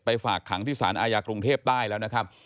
ไปฝากขังที่ศาลอายกรุงเทพฯได้แล้วนะครับ